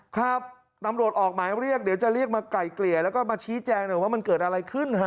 ครับตำรวจออกหมายเรียกเดี๋ยวจะเรียกมาไกลเกลี่ยแล้วก็มาชี้แจงหน่อยว่ามันเกิดอะไรขึ้นฮะ